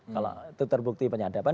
kalau itu terbukti penyadapan